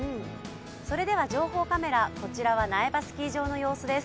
それでは情報カメラ、こちらは苗場スキー場の様子です。